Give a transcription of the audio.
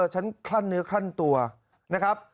คลั่นเนื้อคลั่นตัวนะครับ